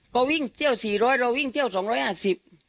ก็วิ่งเที่ยวสี่ร้อยเราวิ่งเที่ยวสองร้อยห้าสิบ